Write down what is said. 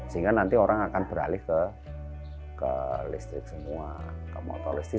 sehingga nanti orang akan beralih ke listrik semua ke motor listrik